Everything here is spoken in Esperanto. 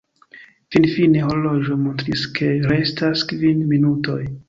Finfine horloĝo montris ke restas kvin minutoj.